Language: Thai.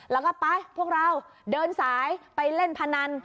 แล้วก็ไปพวกเราเดินสายไปเล่นพนัน